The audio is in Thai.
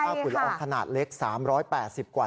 ค่าฝุ่นล้อมขนาดเล็ก๓๘๐กว่า